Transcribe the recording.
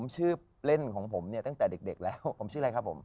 ชื่อเล่นของผมเนี่ยตั้งแต่เด็กแล้วผมชื่ออะไรครับผม